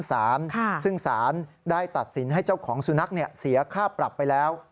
ซึ่งสารได้ตัดสินให้เจ้าของสุนัขเสียค่าปรับไปแล้ว